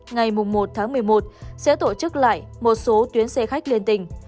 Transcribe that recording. ngày một tháng một mươi một sẽ tổ chức lại một số tuyến xe khách liên tỉnh